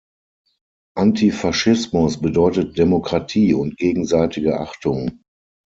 Antifaschismus bedeutet Demokratie und gegenseitige Achtung.